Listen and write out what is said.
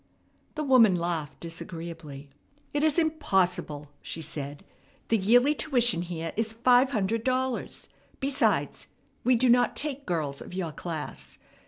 The woman laughed disagreeably. "It is impossible," she said. "The yearly tuition here is five hundred dollars. Besides, we do not take girls of your class.